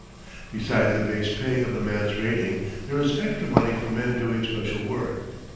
Besides the base pay of a man's rating there is extra money for men doing special work.